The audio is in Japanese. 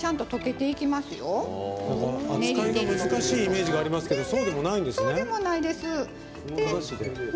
扱いが難しいイメージがあるんですけどそうでもないんですね。